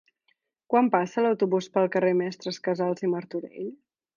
Quan passa l'autobús pel carrer Mestres Casals i Martorell?